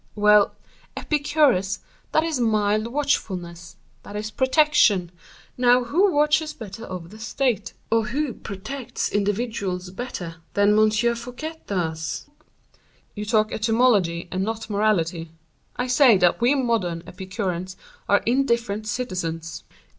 Well, Epicurus, that is mild watchfulness, that is protection; now who watches better over the state, or who protects individuals better than M. Fouquet does?" "You talk etymology and not morality; I say that we modern Epicureans are indifferent citizens."